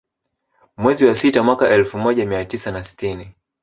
Mwezi wa sita mwaka elfu moja mia tisa na sitini